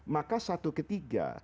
maka satu ketiga